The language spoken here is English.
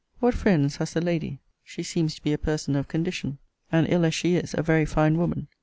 What friends has the lady? She seems to be a person of condition; and, ill as she is, a very fine woman.